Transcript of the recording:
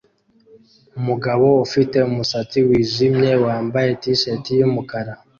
Umugabo ufite umusatsi wijimye wambaye t-shati yumukara